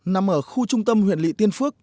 năm ở khu trung tâm huyện lị tiên phước